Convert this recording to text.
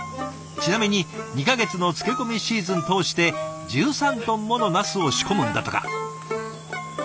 ちなみに２か月の漬け込みシーズン通して１３トンものナスを仕込むんだとか。